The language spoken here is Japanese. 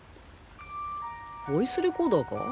ボイスレコーダーか。